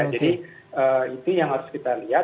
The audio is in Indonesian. jadi itu yang harus kita lihat